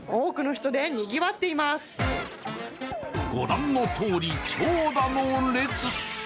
ご覧のとおり、長蛇の列。